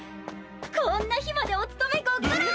こんな日までお勤めご苦労！